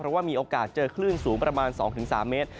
เพราะว่ามีโอกาสเจอคลื่นสูงประมาณ๒๓เมตร